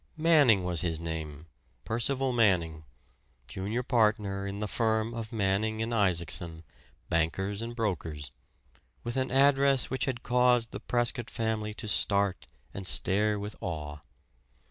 Manning was his name Percival Manning, junior partner in the firm of Manning & Isaacson, Bankers and Brokers with an address which had caused the Prescott family to start and stare with awe.